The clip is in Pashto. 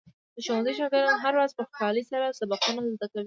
د ښوونځي شاګردان هره ورځ په خوشحالۍ سره سبقونه زده کوي.